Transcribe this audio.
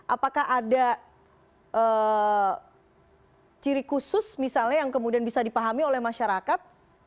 apakah ada ciri khusus misalnya yang kemudian bisa dipahami oleh masyarakat